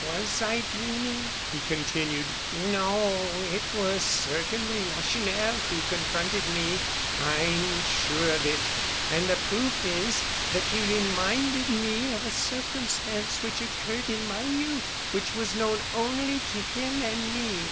"Was I dreaming?" he continued. "No, it was certainly Lacheneur who confronted me. I am sure of it, and the proof is, that he reminded me of a circumstance which occurred in my youth, and which was known only to him and me.